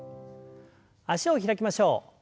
脚を開きましょう。